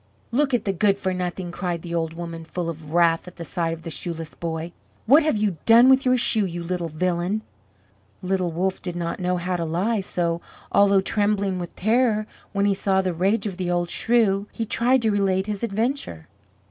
"Look at the good for nothing!" cried the old woman, full of wrath at the sight of the shoeless boy. "What have you done with your shoe, you little villain?" Little Wolff did not know how to lie, so, although trembling with terror when he saw the rage of the old shrew, he tried to relate his adventure.